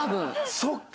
そっか。